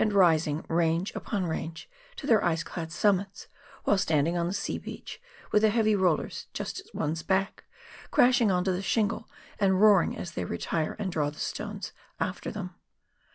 rising range upon range to their ice clad summits, while standing on the sea beach, with the heavy rollers just at one's back, crashing on to the shingle, and roaring as they retire and draw the stones after them.